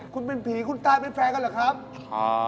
คุณเป็นผีคุณตายเป็นแฟนกันเหรอครับอ่า